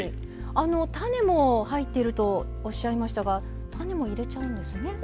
種も入っているとおっしゃいましたが種も入れちゃうんですね。